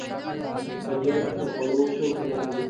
پنېر د خوړو شوق زیاتوي.